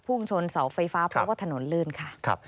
ชนเสาไฟฟ้าเพราะว่าถนนลื่นค่ะ